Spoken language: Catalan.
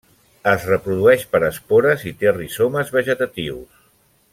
Es reprodueix per espores i té rizomes vegetatius.